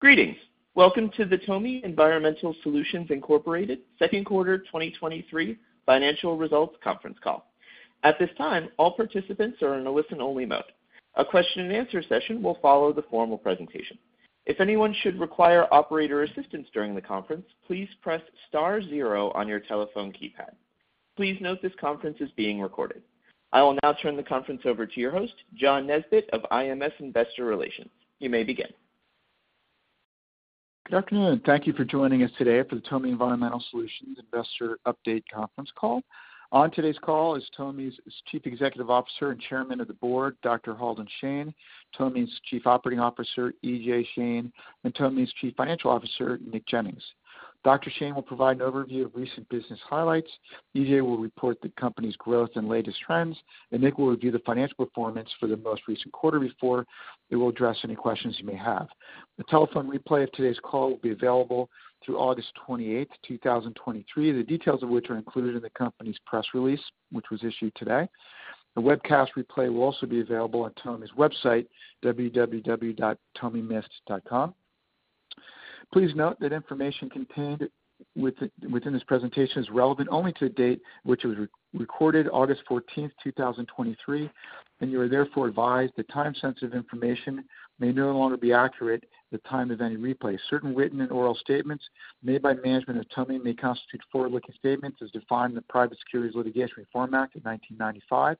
Greetings! Welcome to the TOMI Environmental Solutions Incorporated Second Quarter 2023 Financial Results Conference Call. At this time, all participants are in a listen-only mode. A question and answer session will follow the formal presentation. If anyone should require operator assistance during the conference, please press star zero on your telephone keypad. Please note this conference is being recorded. I will now turn the conference over to your host, John Nesbett of IMS Investor Relations. You may begin. Good afternoon. Thank you for joining us today for the TOMI Environmental Solutions Investor Update conference call. On today's call is TOMI's Chief Executive Officer and Chairman of the Board, Dr. Halden Shane, TOMI's Chief Operating Officer, E.J. Shane, and TOMI's Chief Financial Officer, Nick Jennings. Dr. Shane will provide an overview of recent business highlights, E.J. will report the company's growth and latest trends, and Nick will review the financial performance for the most recent quarter before we will address any questions you may have. The telephone replay of today's call will be available through August 28, 2023. The details of which are included in the company's press release, which was issued today. The webcast replay will also be available on TOMI's website, www.tomimist.com. Please note that information contained within this presentation is relevant only to the date which it was recorded, August 14, 2023. You are therefore advised that time-sensitive information may no longer be accurate at the time of any replay. Certain written and oral statements made by management of TOMI may constitute forward-looking statements as defined in the Private Securities Litigation Reform Act of 1995.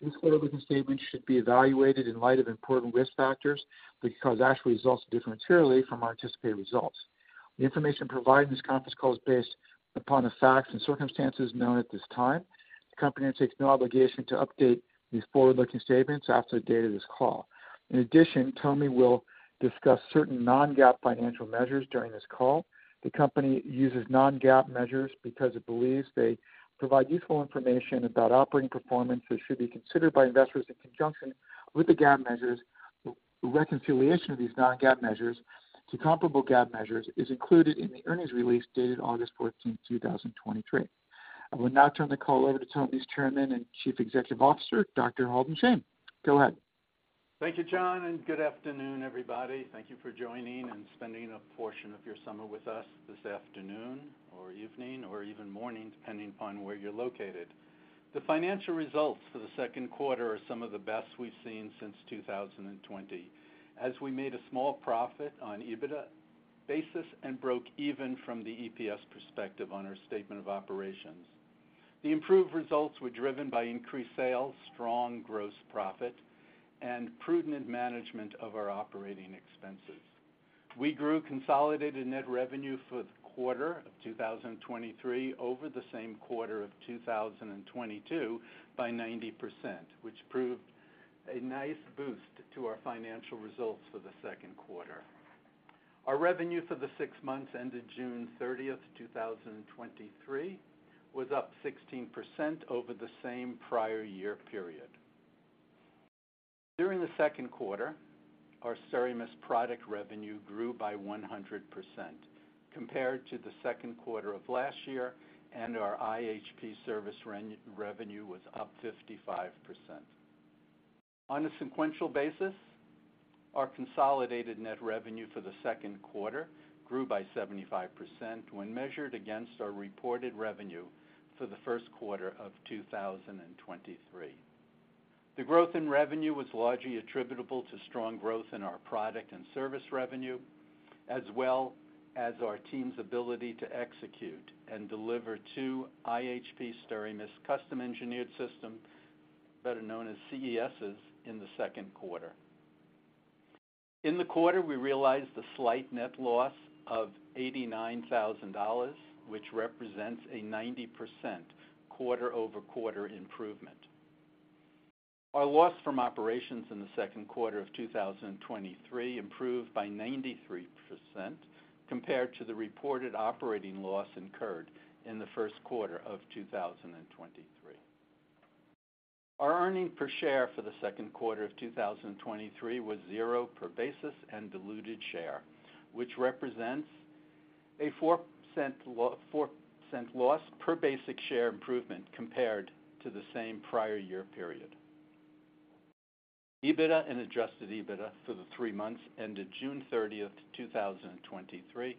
These forward-looking statements should be evaluated in light of important risk factors, because actual results differ materially from anticipated results. The information provided in this conference call is based upon the facts and circumstances known at this time. The company takes no obligation to update these forward-looking statements after the date of this call. In addition, TOMI will discuss certain non-GAAP financial measures during this call. The company uses non-GAAP measures because it believes they provide useful information about operating performance, which should be considered by investors in conjunction with the GAAP measures. The reconciliation of these non-GAAP measures to comparable GAAP measures is included in the earnings release dated August 14th, 2023. I will now turn the call over to TOMI's Chairman and Chief Executive Officer, Dr. Halden Shane. Go ahead. Thank you, John, good afternoon, everybody. Thank you for joining and spending a portion of your summer with us this afternoon or evening, or even morning, depending upon where you're located. The financial results for the second quarter are some of the best we've seen since 2020, as we made a small profit on EBITDA basis and broke even from the EPS perspective on our statement of operations. The improved results were driven by increased sales, strong gross profit, and prudent management of our operating expenses. We grew consolidated net revenue for the quarter of 2023 over the same quarter of 2022 by 90%, which proved a nice boost to our financial results for the second quarter. Our revenue for the six months ended June 30, 2023, was up 16% over the same prior year period. During the second quarter, our SteraMist product revenue grew by 100% compared to the second quarter of last year, and our iHP service re-revenue was up 55%. On a sequential basis, our consolidated net revenue for the second quarter grew by 75% when measured against our reported revenue for the first quarter of 2023. The growth in revenue was largely attributable to strong growth in our product and service revenue, as well as our team's ability to execute and deliver two iHP SteraMist Custom Engineered System, better known as CESs, in the second quarter. In the quarter, we realized a slight net loss of $89,000, which represents a 90% quarter-over-quarter improvement. Our loss from operations in the second quarter of 2023 improved by 93% compared to the reported operating loss incurred in the first quarter of 2023. Our earnings per share for the second quarter of 2023 was $0.00 per basis and diluted share, which represents a $0.04 loss per basic share improvement compared to the same prior year period. EBITDA and adjusted EBITDA for the three months ended June 30, 2023,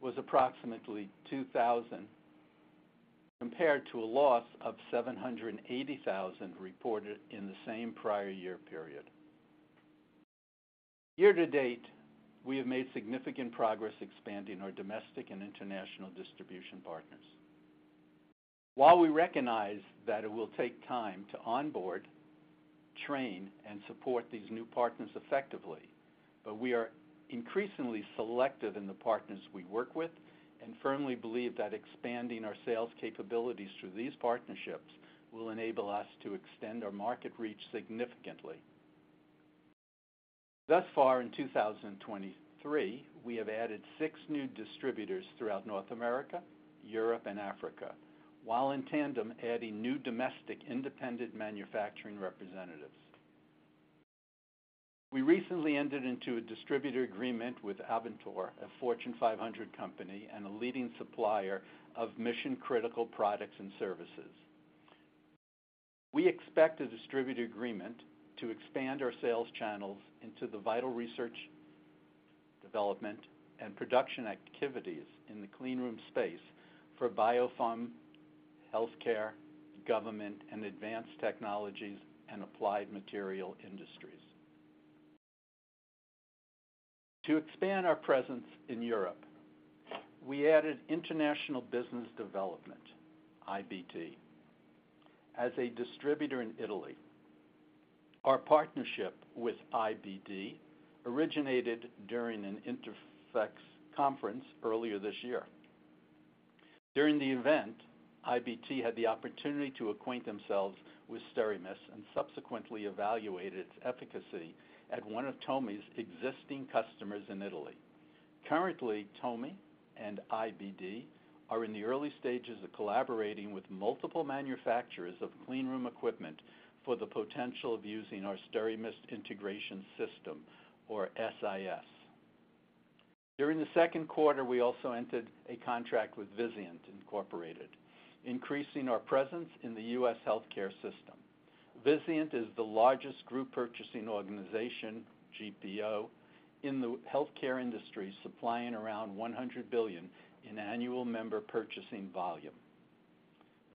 was approximately $2,000, compared to a loss of $780,000 reported in the same prior year period. Year to date, we have made significant progress expanding our domestic and international distribution partners. While we recognize that it will take time to onboard, train, and support these new partners effectively, but we are increasingly selective in the partners we work with and firmly believe that expanding our sales capabilities through these partnerships will enable us to extend our market reach significantly. Thus far in 2023, we have added six new distributors throughout North America, Europe, and Africa, while in tandem, adding new domestic independent manufacturing representatives. We recently entered into a distributor agreement with Avantor, a Fortune 500 company and a leading supplier of mission-critical products and services. We expect a distributor agreement to expand our sales channels into the vital research, development, and production activities in the cleanroom space for biopharm, healthcare, government, and advanced technologies, and applied material industries. To expand our presence in Europe, we added International Business Development, IBD, as a distributor in Italy. Our partnership with IBD originated during an INTERPHEX conference earlier this year. During the event, IBD had the opportunity to acquaint themselves with SteraMist and subsequently evaluated its efficacy at one of TOMI's existing customers in Italy. Currently, TOMI and IBD are in the early stages of collaborating with multiple manufacturers of cleanroom equipment for the potential of using our SteraMist Integrated System, or SIS. During the second quarter, we also entered a contract with Vizient Inc, increasing our presence in the U.S. healthcare system. Vizient is the largest group purchasing organization, GPO, in the healthcare industry, supplying around $100 billion in annual member purchasing volume.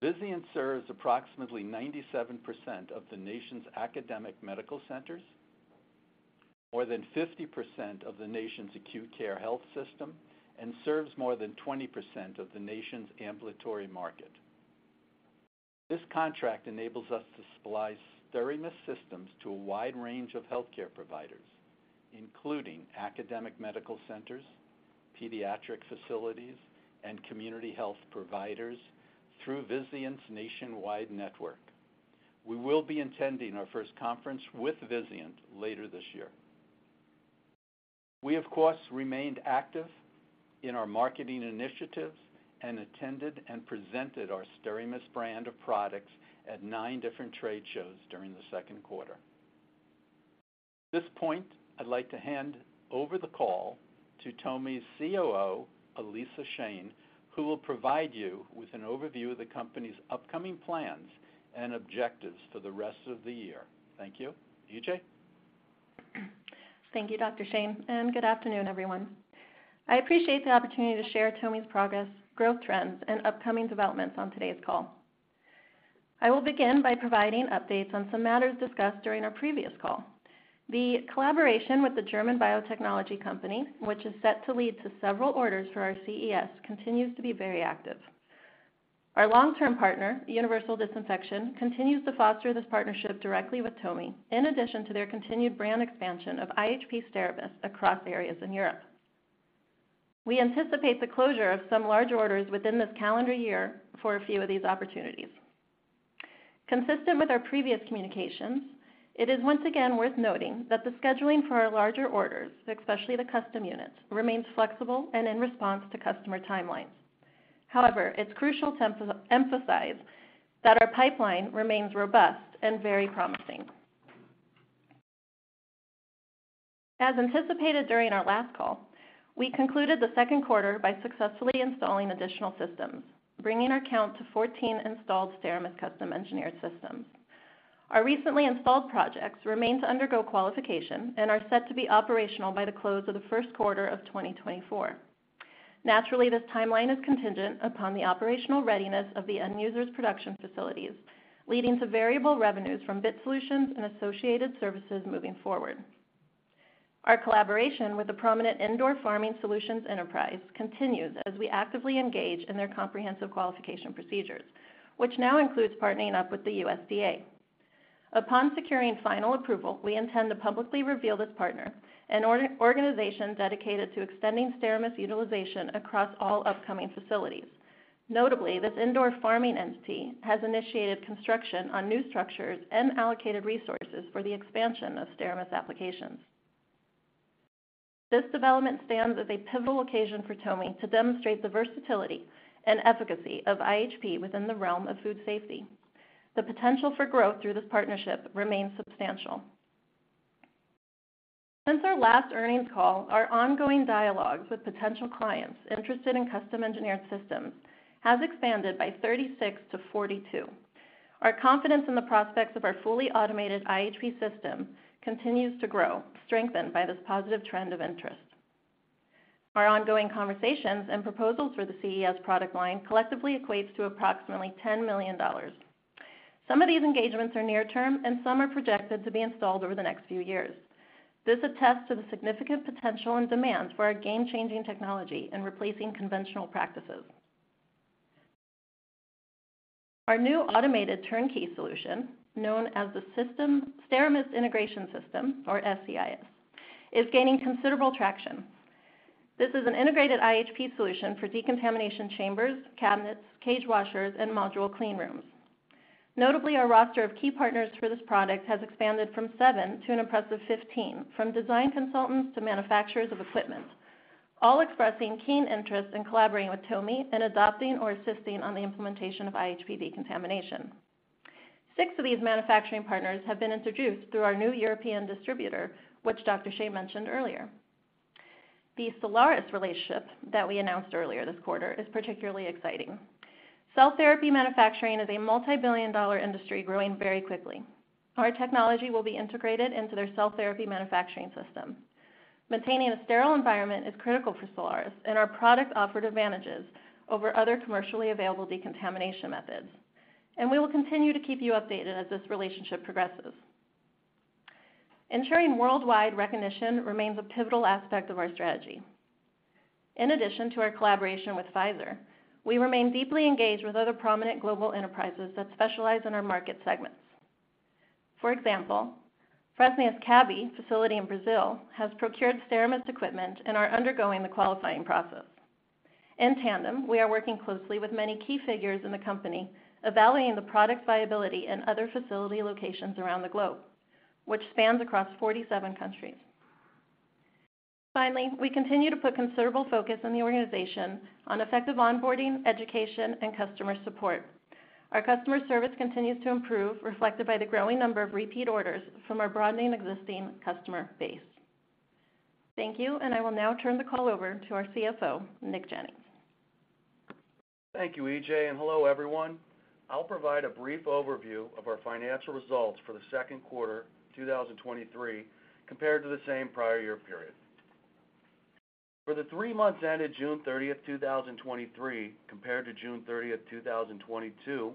Vizient serves approximately 97% of the nation's academic medical centers, more than 50% of the nation's acute care health system, and serves more than 20% of the nation's ambulatory market. This contract enables us to supply SteraMist systems to a wide range of healthcare providers, including academic medical centers, pediatric facilities, and community health providers through Vizient's nationwide network. We will be attending our first conference with Vizient later this year. We, of course, remained active in our marketing initiatives and attended and presented our SteraMist brand of products at nine different trade shows during the second quarter. At this point, I'd like to hand over the call to TOMI's COO, Elissa Shane, who will provide you with an overview of the company's upcoming plans and objectives for the rest of the year. Thank you. E.J.? Thank you, Dr. Shane, and good afternoon, everyone. I appreciate the opportunity to share TOMI's progress, growth trends, and upcoming developments on today's call. I will begin by providing updates on some matters discussed during our previous call. The collaboration with the German biotechnology company, which is set to lead to several orders for our CES, continues to be very active. Our long-term partner, Universal Disinfection, continues to foster this partnership directly with TOMI, in addition to their continued brand expansion of iHP SteraMist across areas in Europe. We anticipate the closure of some large orders within this calendar year for a few of these opportunities. Consistent with our previous communications, it is once again worth noting that the scheduling for our larger orders, especially the custom units, remains flexible and in response to customer timelines. However, it's crucial to emphasize that our pipeline remains robust and very promising. As anticipated during our last call, we concluded the second quarter by successfully installing additional systems, bringing our count to 14 installed SteraMist Custom Engineered Systems. Our recently installed projects remain to undergo qualification and are set to be operational by the close of the first quarter of 2024. Naturally, this timeline is contingent upon the operational readiness of the end user's production facilities, leading to variable revenues from BIT Solution and associated services moving forward. Our collaboration with the prominent indoor farming solutions enterprise continues as we actively engage in their comprehensive qualification procedures, which now includes partnering up with the USDA. Upon securing final approval, we intend to publicly reveal this partner, an organization dedicated to extending SteraMist utilization across all upcoming facilities. Notably, this indoor farming entity has initiated construction on new structures and allocated resources for the expansion of SteraMist applications. This development stands as a pivotal occasion for TOMI to demonstrate the versatility and efficacy of iHP within the realm of food safety. The potential for growth through this partnership remains substantial. Since our last earnings call, our ongoing dialogues with potential clients interested in Custom Engineered Systems has expanded by 36-42. Our confidence in the prospects of our fully automated iHP system continues to grow, strengthened by this positive trend of interest. Our ongoing conversations and proposals for the CES product line collectively equates to approximately $10 million. Some of these engagements are near term, and some are projected to be installed over the next few years. This attests to the significant potential and demand for our game-changing technology in replacing conventional practices. Our new automated turnkey solution, known as SteraMist Integrated System, or SIS, is gaining considerable traction. This is an integrated iHP solution for decontamination chambers, cabinets, cage washers, and module cleanrooms. Notably, our roster of key partners for this product has expanded from seven to an impressive 15, from design consultants to manufacturers of equipment, all expressing keen interest in collaborating with TOMI in adopting or assisting on the implementation of iHP decontamination. Six of these manufacturing partners have been introduced through our new European distributor, which Dr. Shane mentioned earlier. The Cellares relationship that we announced earlier this quarter is particularly exciting. Cell therapy manufacturing is a multibillion-dollar industry growing very quickly. Our technology will be integrated into their cell therapy manufacturing system. Maintaining a sterile environment is critical for Cellares, and our product offered advantages over other commercially available decontamination methods, and we will continue to keep you updated as this relationship progresses. Ensuring worldwide recognition remains a pivotal aspect of our strategy. In addition to our collaboration with Pfizer, we remain deeply engaged with other prominent global enterprises that specialize in our market segments. For example, Fresenius Kabi facility in Brazil, has procured SteraMist equipment and are undergoing the qualifying process. In tandem, we are working closely with many key figures in the company, evaluating the product viability in other facility locations around the globe, which spans across 47 countries. Finally, we continue to put considerable focus on the organization on effective onboarding, education, and customer support. Our customer service continues to improve, reflected by the growing number of repeat orders from our broadening existing customer base. Thank you, I will now turn the call over to our CFO, Nick Jennings. Thank you, E.J. Hello, everyone. I'll provide a brief overview of our financial results for the second quarter, 2023, compared to the same prior year period. For the three months ended June 30th, 2023, compared to June 30th, 2022,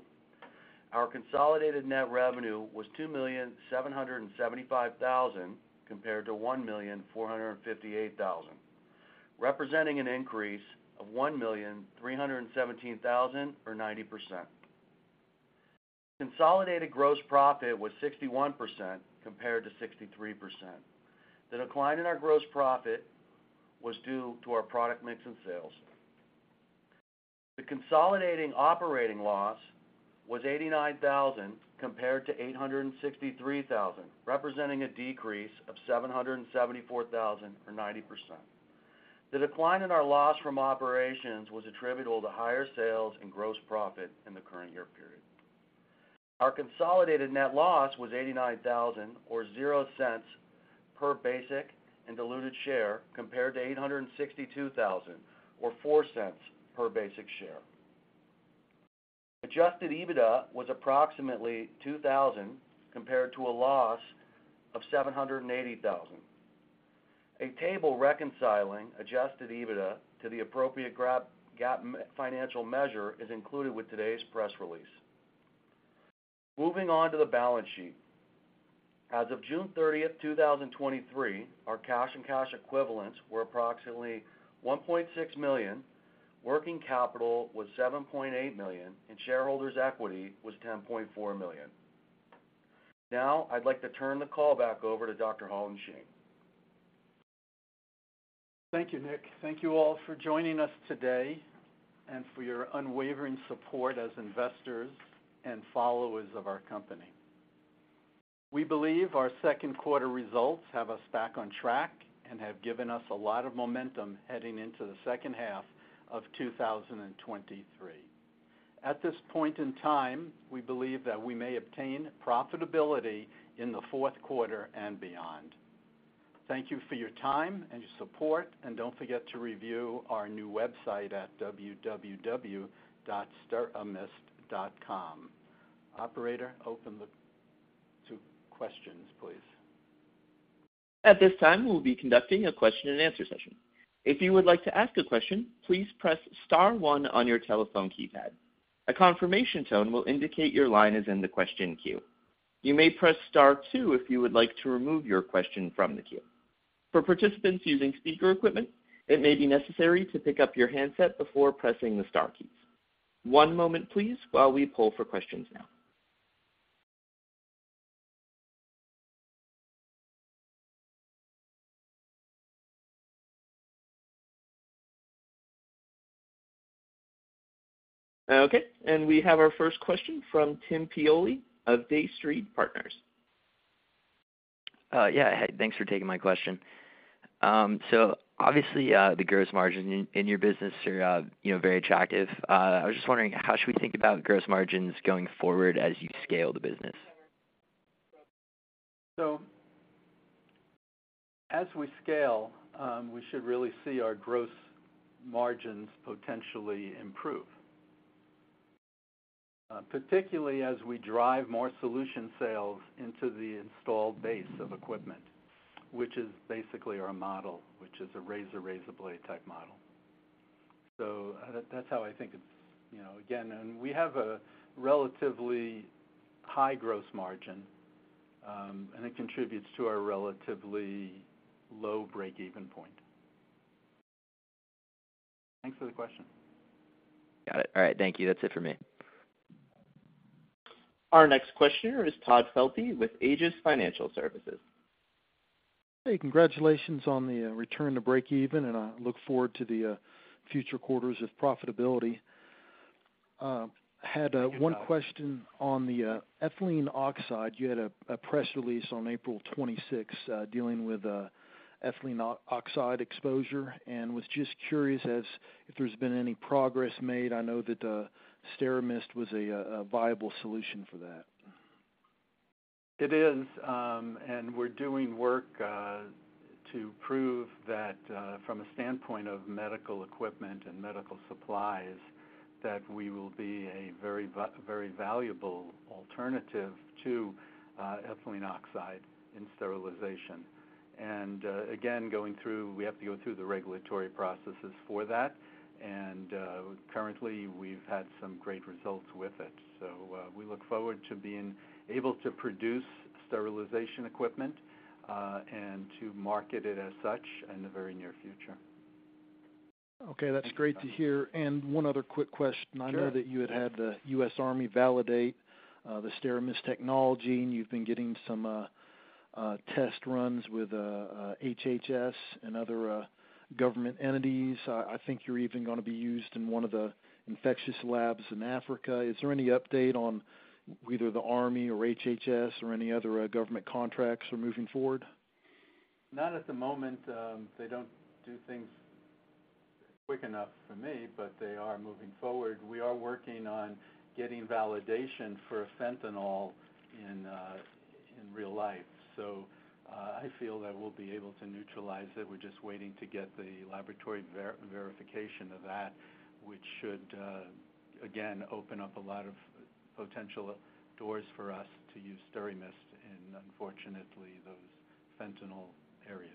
our consolidated net revenue was $2,775,000, compared to $1,458,000, representing an increase of $1,317,000, or 90%. Consolidated gross profit was 61% compared to 63%. The decline in our gross profit was due to our product mix and sales. The consolidating operating loss was $89,000 compared to $863,000, representing a decrease of $774,000 or 90%. The decline in our loss from operations was attributable to higher sales and gross profit in the current year period. Our consolidated net loss was $89,000 or $0.00 per basic and diluted share, compared to $862,000 or $0.04 per basic share. Adjusted EBITDA was approximately $2,000 compared to a loss of $780,000. A table reconciling adjusted EBITDA to the appropriate GAAP financial measure is included with today's press release. Moving on to the balance sheet. As of June 30, 2023, our cash and cash equivalents were approximately $1.6 million, working capital was $7.8 million, and shareholders' equity was $10.4 million. Now I'd like to turn the call back over to Dr. Halden Shane. Thank you, Nick. Thank you all for joining us today and for your unwavering support as investors and followers of our company. We believe our second quarter results have us back on track and have given us a lot of momentum heading into the second half of 2023. At this point in time, we believe that we may obtain profitability in the fourth quarter and beyond. Thank you for your time and your support, and don't forget to review our new website at www.steramist.com. Operator, open to questions, please. At this time, we'll be conducting a question and answer session. If you would like to ask a question, please press star one on your telephone keypad. A confirmation tone will indicate your line is in the question queue. You may press Star two if you would like to remove your question from the queue. For participants using speaker equipment, it may be necessary to pick up your handset before pressing the star keys. One moment, please, while we pull for questions now. Okay, we have our first question from Tim Pioli of Day Street Partners. Yeah. Hey, thanks for taking my question. Obviously, the gross margin in your business are, you know, very attractive. I was just wondering, how should we think about gross margins going forward as you scale the business? As we scale, we should really see our gross margins potentially improve, particularly as we drive more solution sales into the installed base of equipment, which is basically our model, which is a razor, razor blade type model. That's how I think it's, you know, again, and we have a relatively high gross margin, and it contributes to our relatively low break-even point. Thanks for the question. Got it. All right, thank you. That's it for me. Our next questioner is Todd Felty with Aegis Capital Corp. Hey, congratulations on the return to breakeven, and I look forward to the future quarters of profitability. Had one question on the ethylene oxide. You had a press release on April 26, dealing with ethylene oxide exposure, and was just curious as if there's been any progress made. I know that SteraMist was a viable solution for that. ... It is, and we're doing work to prove that, from a standpoint of medical equipment and medical supplies, that we will be a very very valuable alternative to ethylene oxide in sterilization. Again, we have to go through the regulatory processes for that, and currently, we've had some great results with it. We look forward to being able to produce sterilization equipment, and to market it as such in the very near future. Okay, that's great to hear. One other quick question. Sure. I know that you had, had the U.S. Army validate the SteraMist technology, and you've been getting some test runs with HHS and other government entities. I think you're even gonna be used in one of the infectious labs in Africa. Is there any update on either the Army or HHS or any other government contracts are moving forward? Not at the moment. They don't do things quick enough for me, but they are moving forward. We are working on getting validation for fentanyl in real life, so I feel that we'll be able to neutralize it. We're just waiting to get the laboratory verification of that, which should again, open up a lot of potential doors for us to use SteraMist in, unfortunately, those fentanyl areas.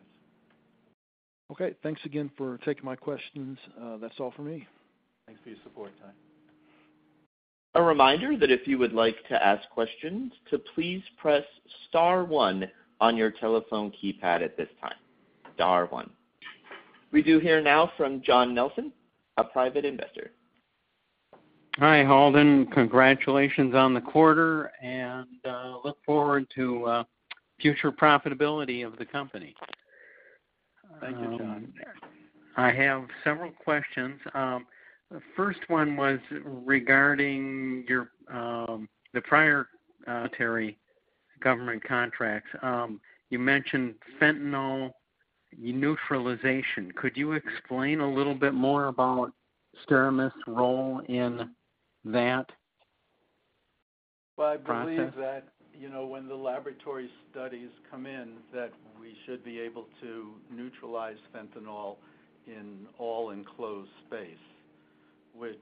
Okay. Thanks again for taking my questions. That's all for me. Thanks for your support, Todd. A reminder that if you would like to ask questions, to please press star one on your telephone keypad at this time, star one. We do hear now from John Nelson, a private investor. Hi, Halden, congratulations on the quarter, and look forward to future profitability of the company. Thank you, John. I have several questions. The first one was regarding your, the prior, military government contracts. You mentioned fentanyl neutralization. Could you explain a little bit more about SteraMist's role in that process? Well, I believe that, you know, when the laboratory studies come in, that we should be able to neutralize fentanyl in all enclosed space, which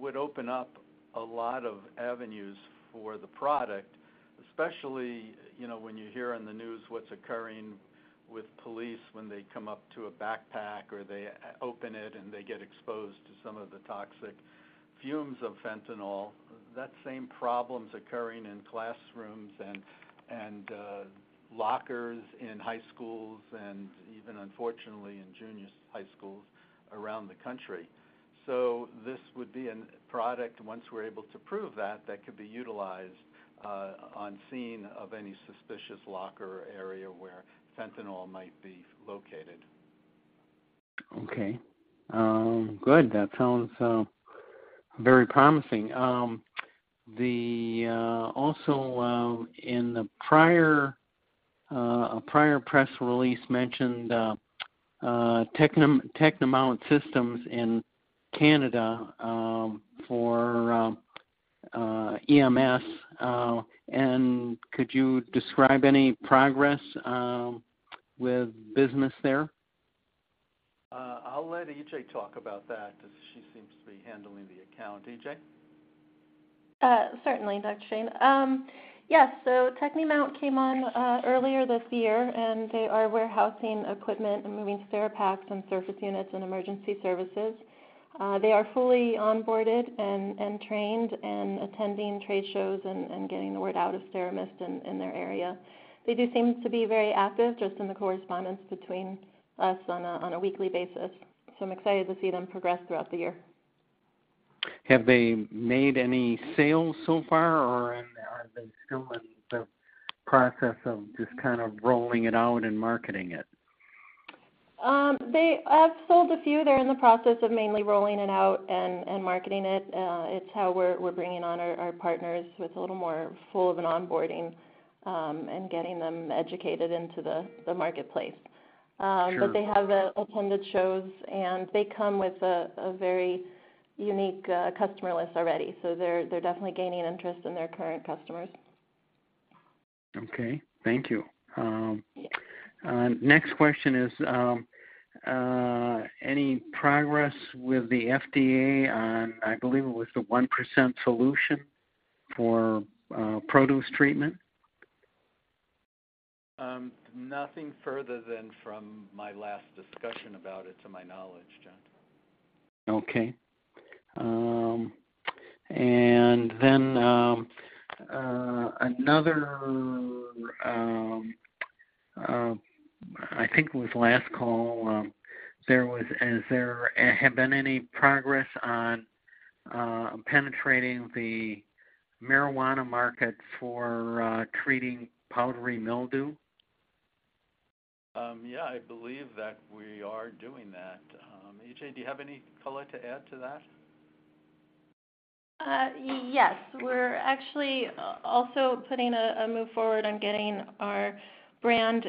would open up a lot of avenues for the product, especially, you know, when you hear on the news what's occurring with police when they come up to a backpack, or they open it, and they get exposed to some of the toxic fumes of fentanyl. That same problem's occurring in classrooms and, and lockers in high schools and even unfortunately in junior high schools around the country. This would be a product, once we're able to prove that, that could be utilized on scene of any suspicious locker area where fentanyl might be located. Okay. Good. That sounds very promising. The, also, in the prior, a prior press release mentioned Technimount System in Canada, for EMS. Could you describe any progress with business there? I'll let E.J. talk about that, as she seems to be handling the account. E.J.? Certainly, Dr. Shane. Yes, so Technimount came on earlier this year, and they are warehousing equipment and moving SteraPak and surface units and emergency services. They are fully onboarded and trained and attending trade shows and getting the word out of SteraMist in their area. They do seem to be very active just in the correspondence between us on a weekly basis, so I'm excited to see them progress throughout the year. Have they made any sales so far, or are they still in the process of just kind of rolling it out and marketing it? They have sold a few. They're in the process of mainly rolling it out and, and marketing it. It's how we're bringing on our partners with a little more full of an onboarding and getting them educated into the marketplace. Sure. They have attended shows, and they come with a very unique customer list already, so they're definitely gaining interest in their current customers. Okay. Thank you. Yeah. next question is, any progress with the FDA on, I believe it was the 1% solution for, produce treatment? Nothing further than from my last discussion about it, to my knowledge, John. Okay. Another, I think it was last call, Is there any progress on penetrating the marijuana market for treating powdery mildew? Yeah, I believe that we are doing that. E.J., do you have any color to add to that? Yes. We're actually also putting a, a move forward on getting our brand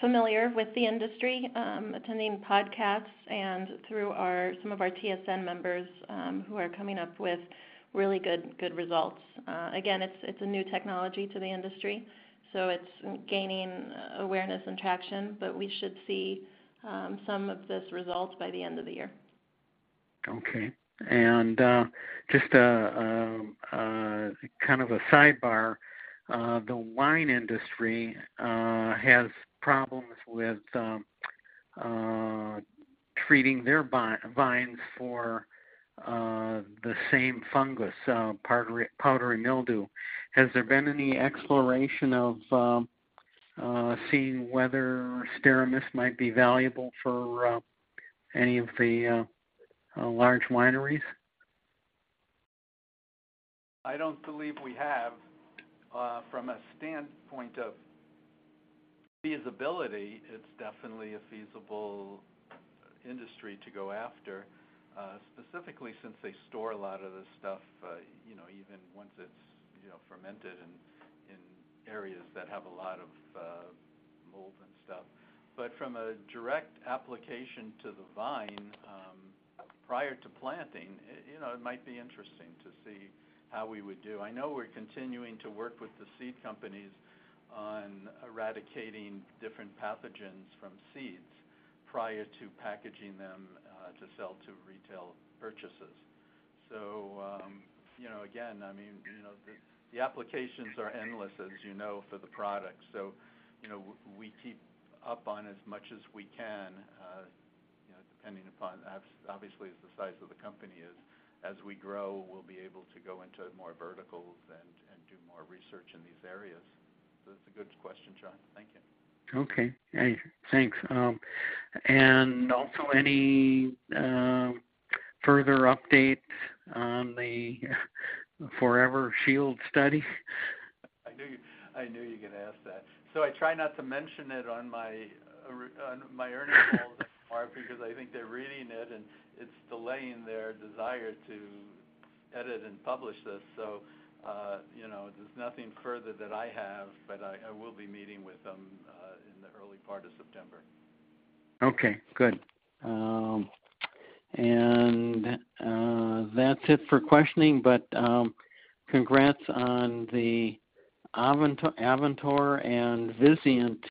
familiar with the industry, attending podcasts and through our, some of our TSN members, who are coming up with really good, good results. Again, it's, it's a new technology to the industry, so it's gaining awareness and traction, but we should see some of this results by the end of the year. Okay. Just a kind of a sidebar, the wine industry has problems with treating their vines for the same fungus, powdery mildew. Has there been any exploration of seeing whether SteraMist might be valuable for any of the large wineries? I don't believe we have. From a standpoint of feasibility, it's definitely a feasible industry to go after, specifically since they store a lot of this stuff, you know, even once it's, you know, fermented in, in areas that have a lot of mold and stuff. From a direct application to the vine, prior to planting, you know, it might be interesting to see how we would do. I know we're continuing to work with the seed companies on eradicating different pathogens from seeds prior to packaging them, to sell to retail purchasers. You know, again, I mean, you know, the, the applications are endless, as you know, for the product. You know, w- we keep up on as much as we can, you know, depending upon obviously, as the size of the company is. As we grow, we'll be able to go into more verticals and do more research in these areas. It's a good question, John. Thank you. Okay. Hey, thanks. Also, any further updates on the Ever-Shield study? I knew you, I knew you were gonna ask that. I try not to mention it on my on my earnings calls thus far, because I think they're reading it, and it's delaying their desire to edit and publish this. You know, there's nothing further that I have, but I, I will be meeting with them, in the early part of September. Okay, good. That's it for questioning, but congrats on the Avantor and Vizient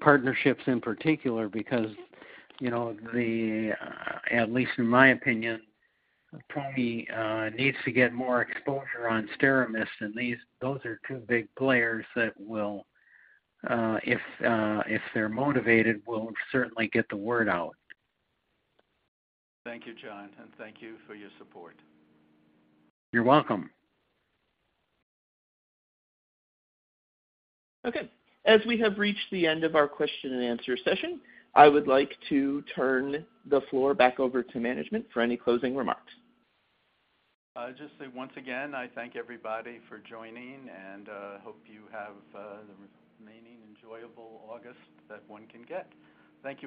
partnerships in particular, because, you know, the, at least in my opinion, TOMI needs to get more exposure on SteraMist, and those are two big players that will, if they're motivated, will certainly get the word out. Thank you, John, and thank you for your support. You're welcome. Okay. As we have reached the end of our question and answer session, I would like to turn the floor back over to management for any closing remarks. Just to say once again, I thank everybody for joining, and, hope you have the remaining enjoyable August that one can get. Thank you.